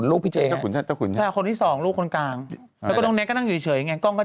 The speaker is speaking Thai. ลูกเนกลงมาพร้อมกับลูกเนกนะ